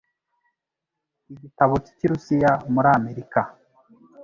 Igitabo cy'ikirusiya muri Amerika